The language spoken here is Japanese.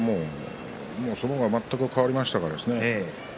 相撲が全く変わりましたからね。